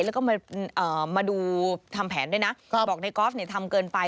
แล้วก็มาดูทำแผนด้วยนะบอกนายกอฟทำเกินไป